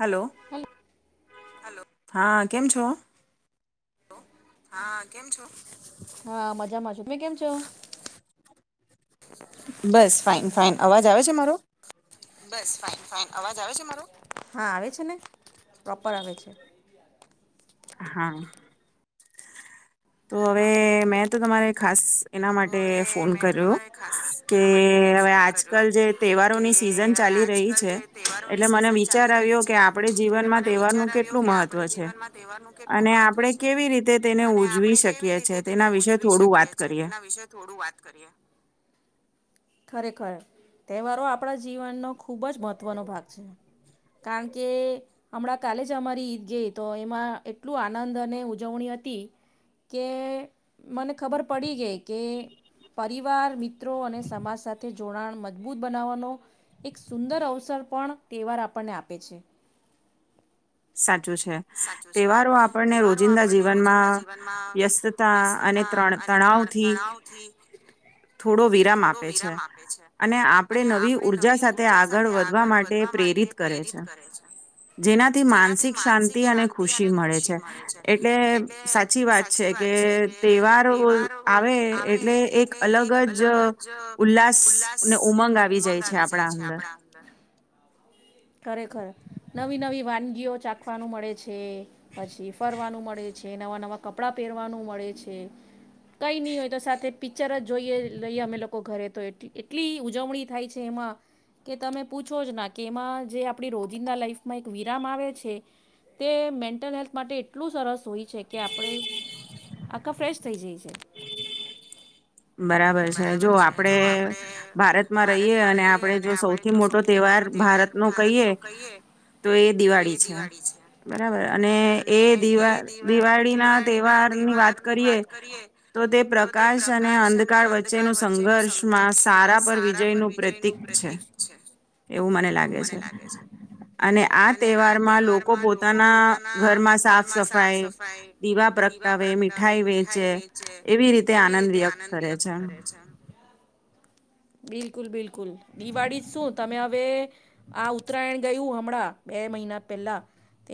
Hello હા. કેમ છો? હામ છો હા મજામાં છ મે કેમ છો? બસ ફઇન. ફાઇન અવાજ આવે છે. મારો બસ ફન ફન અવાજ આવે છે. મારો હા આવે છે. ને પ્રોપર આવે છે. હા. તો હવે મેં તો તમારે ખાસ એના માટે ફોન કર્યો કે હવે આજકાલ જે તહેવારોની સિઝન ચાલી રહી છે. એટલે મને વિચાર આવ્યો કે આપણે જીવનમાં તહેવારનું કેટલું મહત્ત્વ છે. અને આપણે કેવી રીતે તેને જોઈ શકીએ છે તેના વિશે થોડું વાત કરીએ. તેના વિશે થોડું વાત કરીએ. ખરેખર તહેવારો આપણા જીવનનો ખૂબ જ મહત્ત્વનો ભાગ છે કારણ કે અમણાં કાલે જ અમારી ઈદ ગઈ તો એમાં એટલું આનંદ અને ઉજવણી અતી કે મને ખબર પડી ગઈ કે પરિવાર મિત્રો અને સમાજ સાથે જોડાણ મજબૂત બનાવવાનો એક સુંદર અવસર પણ તહેવાર આપણને આપે છે. [unintelligible] તહેવારો આપણને રોજિંદા જીવનમાં વ્યસ્તતા અને ત-તણાવથી થોડો વિરામ આપે છે અને આપણે નવી ઉર્જા સાથે આગળ વધવા માટે પ્રેરિત કરે છે જેના માનસિક શાંતિ શાંતિ અને ખુશી મળે છે એટલે સાચી વાત છે કે તહેવારો ઓ આવે એટલે એક અલગ જ ઉલ્લાસ ને ઉમંગ આવી જાય છે આપણા અંદર ખરેખર, નવી નવી વાનગીઓ ચાખવાનું મળે છે પછી ફરવાનું મળે છે, નવાં નવાં કપડાં પેરવાનું મળે છે, કંઈ ની હોય તો સાથે પિક્ચર જોયે જોઈએ લઈએ અમે લોકો ઘરે તો એ એટલી ઉજવણી થાય છે એમાં, કે તમે પૂછો જ ના કે એમાં જે આપણી રોજિંદા લાઈફમાં એક વિરામ આવે છે તે મેન્ટલ હેલ્થ માટે એટલું સરસ હોય છે કે આપણે, આખા ફ્રેશ થઈ જઈ છે. બરાબર છે જો આપડે ભારતમાં રહીએ અને આપડણે જો સૌથી મોટો તહેવાર ભારતનો કહીએ, તો એ દિવાળી છે. બરાબર અને એ દિવા દિવાળી ના તહેવાર ની વાત કરીએ તો તે પ્રકાશ અને અંધકાર વચ્ચે નું સંઘર્ષમાં સારા પર વિજય નું પ્રતીક છે, એવું મને લાગે છે. અને આ તહેવારમાં લોકો પોતા મા ઘરમાં સાફ સફાઈ, દીવા પ્રગટાવે, મીઠાઈ વેચે એવી રીતે આનંદ તે આનંદ વ્યક્ત કરે છે. બિલકુલ બિલકુલ. દિવાળી જ શું તમે હવે આ ઉત્તરાયણ ગયું હમણાં બે મહિના પહલા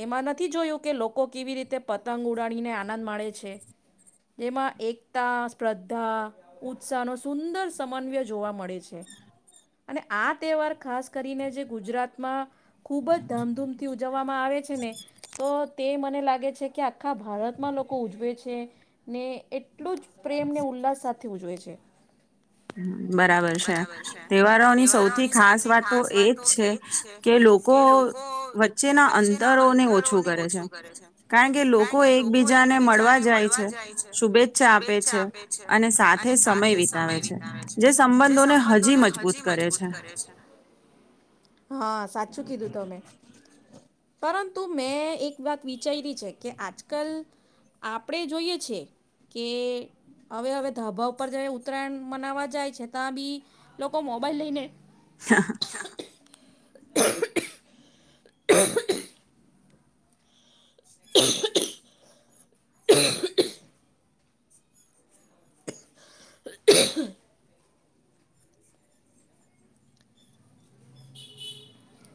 એમાં નથી જોયું કે લોકો કેવી રીતે પતંગ ઉડાડીને આનંદ માણે છે, એમાં એકતા, સ્પ્રદ્ધા, ઉત્સાહનો સુંદર સમન્વય જોવા મળે છે. અને આ તહેવાર ખાસ કરીને જે ગુજરાતમાં ખુબ જ ધામધૂમથી ઉજવવામાં આવે છે ને, ઓ તે મને લાગે છે કે આખા ભારતમાં લોકો ઉજવે છે, ને એટલું જ પ્રેમ ને ઉલ્લાસ સાથે ઉજવે છે. બરાબર છે તહેવારોની સૌથી ખાસ વાત તો એ જ છે કે લોકો વચ્ચેના અં તરોને ઓછું કરે છે, કારણ કે લોકો એકબીજાને મળવા જાય છે, શુભેચ્છા આપે છે, અને સાથે સમય વિતાવે છે. હ, સાચું કીધું તમે. પરંતુ મેં એક વાત વિચાઈરી છે કે આજકાલ આપણેે જોઈએ છે, કે હવે હવે ધાબા ઉપર ઉત્તરાયણ મનાવા જાય છે, તા બી લોકો મોબાઈલ લઈને [unintelligible] [unintelligible] [unintelligible] [unintelligible]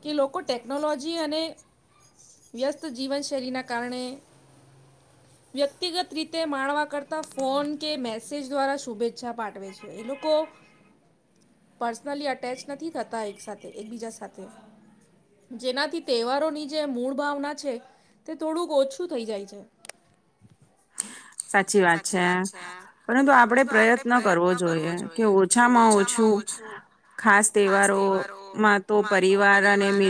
કે લોકો ટેકનોલોજી અને વ્યસ્ત જીવન શૈલી ના કારણે, વ્યક્તિગત રીતે માણવા કરતા ફોન કે મેસેજ દ્વારા શુભેચ્છા પાટવે છે એ લોકો પર્સ નલી અટેચ નથી થતા એક સાથે એકબીજા સાથે. જેનાથી તહેવારોની જે મૂળ ભાવના છે તે થોડુંક ઓછું થઈ જાય છે. સાચી વાત છે. પરંતુ આપડે પ્રયત્ન કરવો જોઈએ કે ઓછામાં ઓછું ખાસ તહેવારોમાં તો પરિવાર અને મિ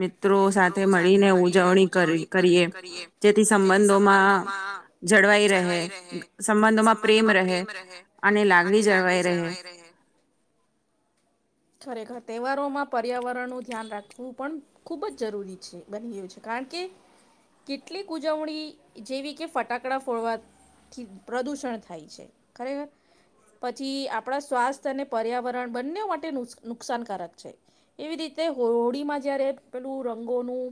મિત્રો સાથે મળીને ઉજવણી કરવી કરીએ જેથી સંબંધોમાં જળવાઈ રહે સંબંધોમાં પ્રેમ રહે, અને લાગણી જળવાઈ રહે. ખરેખર તહેવારોમાં પર્યાવર ળ નું ધ્યાન રાખવું પણ ખૂબ જ જરૂરી છે, બની ગયું છે કાળકે કેટલીક ઉજવણી જેવી કે ફટાકડા ફોડવાથી પ્રદૂષણ થાય છે ખરેખર, પછી આપણા સ્વાસ્થ્ય અને પર્યાવરણ બંને માટે નુસ નુકસાનકારક છે. એવી રીતે હો હોળીમાં જયારે પેલું રંગોનું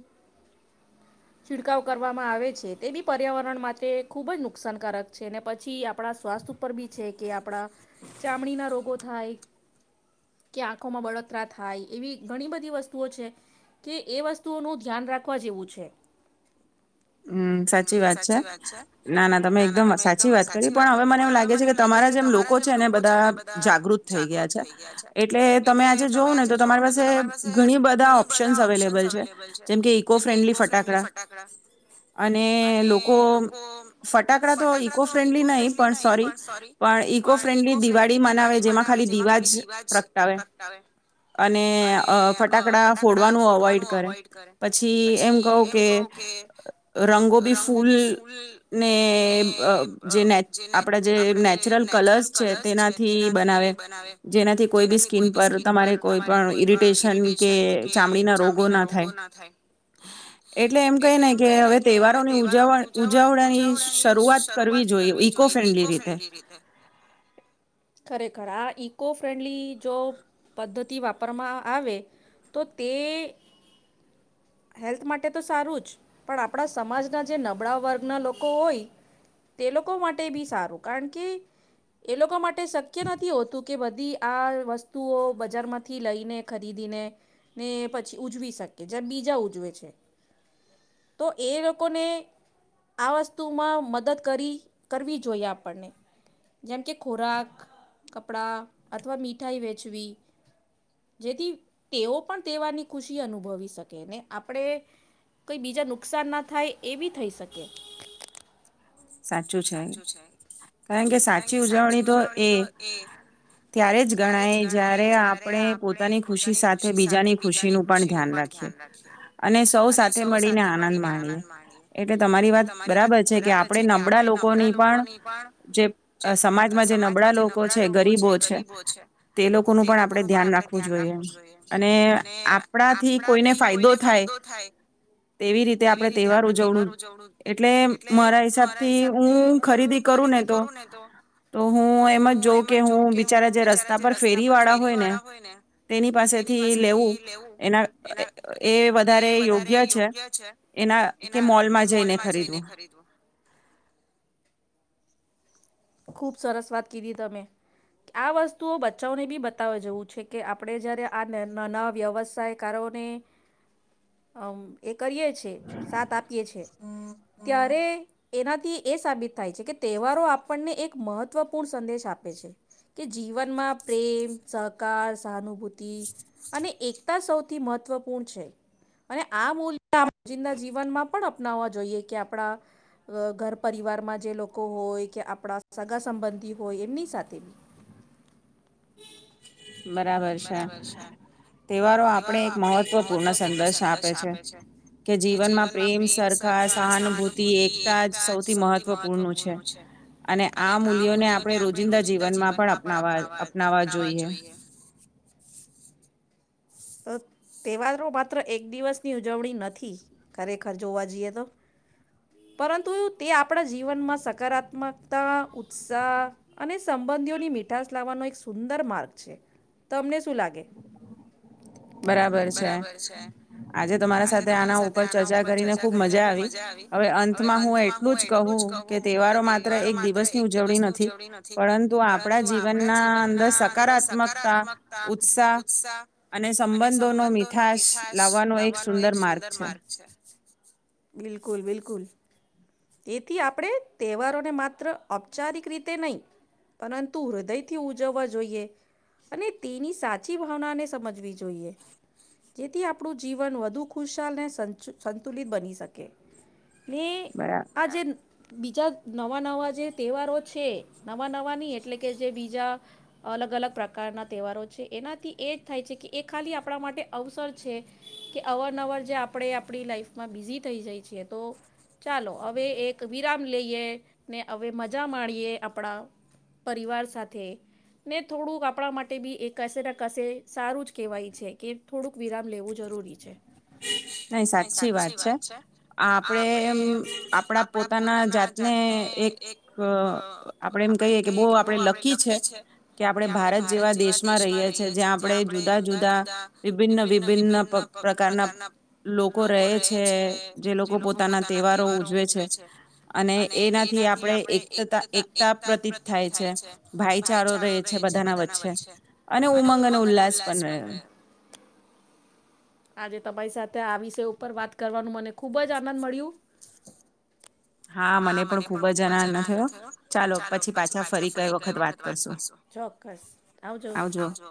છિડકાવ કરવામાં આવે છે તે બી પર્યાવરણ માટે ખૂબ જ નુકસાનકારક છે, ને પછી આપણા સ્વાસ્થ્ય ઉપર બી છે કે આપણા ચામડીના રોગો થાય, કે આંખોમાં બળતરા થાય. એવી ઘણી બધી વસ્તુઓ છે કે એ વસ્તુઓનું ધ્યાન રાખવા જેવું છે. હમ સાચી વાત છે, ના ના તમે એકદમ સાચી વાત કરી, પણ હવે મને એમ લાગે છે કે તમારા જેમ લોકો છે એને બધા જાગૃત થઈ ગ્યા છે, એટલે તમે આજે જોવ ને તો જોવં ને તો તમારી પાસે ઘણી બધા ઓપ્શન્સ અવેલેબલ છે જેમકે ઈકો ફ્રેન્ડલી ફટાકડા અને લોકો ફટાકડા તો ઈકો ફ્રેન્ડલી નહી પણ સોરી પણ ઈકો ફ્રેન્ડલી દિવાળી મનાવે જેમાં ખાલી દીવાજ પ્રગટાવે અને એ અફટાકડા ફોડવાનું અવોઈડ કરે પછી એમ કહું કે રંગો બી ફૂલને અ જેને આપણા જે નેચરલ કલર્સ છે તેનાથી બનાવે જેનાથી કોઈ બી સ્કીિન પર તમારે કોઈ પણ ઈરિટેશન કે ચામડીના રોગો ના થાય એટલે એમ કને તહેવારો ઉજવની શરૂઆત કરવી જોઈએ ઈકો ફન્ડલી રીતે ઘ આ ઈકો ફ્રેન્ડલી જો પદ્ધતિ વાપર વાપરમાં આવે તો તે હેલ્થ માટે તો સારું જ પણ આપણા સમાજના જે નબળા વર્ગના લોકો હોય તે લોકો માટે બી સારું કારણ કે એ લોકો માટે શક્ય નથી હોતું કે બધી આ વસ્તુઓ બજારમાં થી લઈને ખરીદીને ને પછી ઉજવી શકીએ જેમ બીજા ઉજવે છે તો એ લોકોને આ વસ્તુમાં મદદ કરી કરવી જોઈએ આપણને જેમ કે ખોરાક કપડા અથવા મીઠાઈ વેચવી જેથી તેઓ પણ તહેવારની ખુશી અનુભવી શકે ને આપણે કઈ બીજા નુકસાન ના થાય એવી થઈ શકે સાચું છે કારણ કે સાચી ઉજવણી તો એ ત્યારે જ ગણાય જય્યારે આપણે પોતે પોતાની ખુશી સાથે બીજાની ખુશીનું પણ ધ્યાન રાખીએ અને સૌ સાથે મળીને આનંદ માણીએ એટલે તમારી વાત બરાબર છે કે આપણે નબળા લોકોની પણ જે સમાજમાં જે નબળા લોકો છે ગરીબો છે તે લોકોનું પણ આપડણે ધ્યાન રાખવું જો અને આપણાથી કોઈને ફાયદો થાય તેવી રીતે આપણે તહેવાર ઉજવડું એટલે મારા હિસાબે થી હું ખરીદી કરું ને તો તો હું એમ જ જોઉં કે હું બિચારા જે રસ્તા પર ફેરી વાળા હોય ને તેની પાસેથી લેવું એના એ વધારે યોગ્ય છે એના કે મોલમાં જઈને ખરીદવું ખુબ સરસ વાત કીધી તમે આ વસ્તુઓ બચ્ચાઓને બી બતાવે જવું છે કે આપણે જયારે આ નાના વ્યવસાયકારોને એક કરીએ છીએ સાત આપીએ છીએ ત્યારે એનાથી એ સાબિત થાય છે કે તહેવારો આપણને એક મહત્વપૂર્ણ સંદેશ આપે છે કે જીવનમાં પ્રેમ સહકાર સહાનુભૂતિ અને એકતા સૌથી મહત્વપૂર્ણ છે અને આ મૂલ્યંદના જીવનમાં પણ અપનાવવા જોઈએ કે આપણા અ ઘર પરિવારમાં જે લોકો હોય કે આપડા સગા સંબંધી હોય એમની સાથે બી [inaudible] બરાબર છે તહેવારો આપણે એક મહત્વપૂર્ણ સંદેશ આપે છે કે જીવનમાં પ્રેમ સરખા સહાનુભૂતિ એકતા જ સૌથી મહત્વપૂર્ણ છે અને આ મૂલ્યોને આપણે રોજિંદા જીવનમાં પણ અપનાવા અપનાવવા જોઈએ તો તેહેવારો માત્ર એક દિવસની ઉજવણી નથી ખરેખર જોવા જઈએ તો પરંતુ તે આપણા જીવનમાં સકારાત્મકતા ઉત્સાહ અને સંબંધીઓની મીઠાસ લાવવાનો એક સુંદર માર્ગ છે તમને શું લાગે બરાબર છે આજે તમારા સાથે આના ઉપર ચર્ચા કરીને ખુબ મજા આવી હવે અંતમાં હું એટલું જ કહું કે તહેવારો માત્ર એક દિવસની ઉજવણી નથી પરંતુ આપણા જીવનના અંદર સકારાત્મકતા ઉત્સાહ અને સંબંધોનો મીઠાશ લાવવાનો એક સુંદર માર્ગ છે બિલકુલ બિલકુલ તેથી આપણે તહેવારોને માત્ર ઔપચારિક રીતે નહી પરંતુ હૃદયથી ઉજવવા જોઈએ અને તેની સાચી ભાવના ને સમજવી જોઈએ જેથી આપણું જીવન વધુ ખુશાલ સંતુલિત બની શકે ને આજે બીજા નવા નવા જે તહેવારો છે નવા નવાની એટલે કે જે બીજા અલગ અલગ પ્રકારના તહેવારો છે એનાથી એ જ થાય છે કે એ ખાલી આપણા માટે અવસર છે કે અવરનવર જે આપણે આપણી લાઈફમાં બિઝી થઈ જઈ છે તો ચાલો હવે એક વિરામ લઈએ ને હવે મજા માણીએ આપણા પરિવાર સાથે ને થોડુંક આપણા માટે ભી એ કશેને કશે સારું જ કહેવાય છે કે થોડુંક વિરામ લેવું જરૂરી છે. નહી સાચી વાત છે આપણેે એમ આપડા પોતાના જાતને એક આપણેે એમ કહીએ કે બહુ આપણે લકી છે કે આપણે ભારત જેવા દેશમાં રહીએ છીએ જ્યાં આપડણે જુદા જુદા વિભિન્ન વિભિન્ન પ્રકા રના લોકો રહે છે જે લોકો પોતાના તહેવારો ઉજવે છે અને એનાથી આપણે એક તા એકતા પ્રતીત થાય છે ભાઈચારો રહે છે બધાના વચ્ચે અને ઉમંગ અને ઉલ્લાસ પણ અને [unintelligible] આજે તમારી સાથે આ વિષ ઉપર વાત કરવાનું મને ખુબ જ આનંદ મળ્યું. હા, મને પણ ખુબ જ [unintelligible] થયો. ચાલો, પછી પાછા ફરી કઈ વખત વાત કરશું. ચોક્કસ આવજો. આવજો.